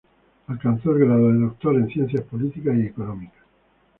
Alcanzó el grado de Doctor en Ciencias Políticas y Económicas.